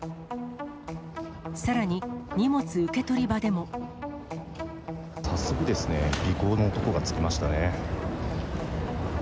さらに、早速ですね、尾行の男がつきましたね。